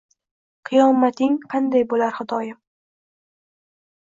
Qiyomating qanday bo’lar Xudoyim?